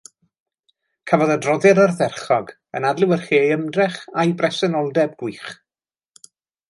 Cafodd adroddiad ardderchog, yn adlewyrchu ei ymdrech a'i bresenoldeb gwych